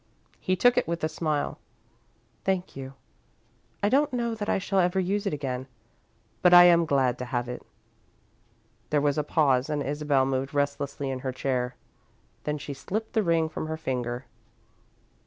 He took it with a smile. "Thank you. I don't know that I shall ever use it again, but I am glad to have it." There was a pause and Isabel moved restlessly in her chair. Then she slipped the ring from her finger.